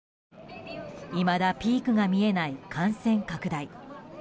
いまだピークが見えない感染拡大。